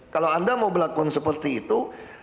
kalau anda mau melakukan seperti itu